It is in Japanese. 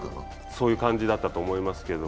そういう感じだったと思いますけど。